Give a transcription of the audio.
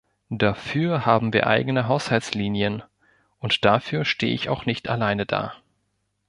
Dafür haben wir eigene Haushaltslinien, und dafür stehe ich auch nicht alleine da.